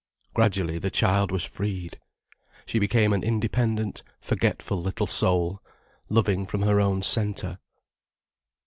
Gradually the child was freed. She became an independent, forgetful little soul, loving from her own centre.